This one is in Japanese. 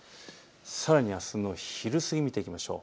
さらにあすの昼過ぎを見ていきましょう。